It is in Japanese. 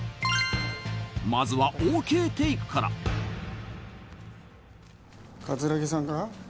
まずはＯＫテイクから桂木さんから？